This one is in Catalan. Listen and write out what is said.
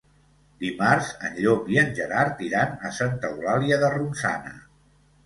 Dimarts en Llop i en Gerard iran a Santa Eulàlia de Ronçana.